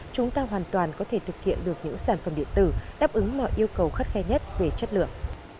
chúng ta hoàn toàn có thể thực hiện được những sản phẩm điện tử đáp ứng mọi yêu cầu khắt khe nhất về chất lượng